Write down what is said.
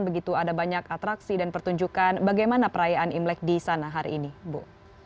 begitu ada banyak atraksi dan pertunjukan bagaimana perayaan imlek di sana hari ini bu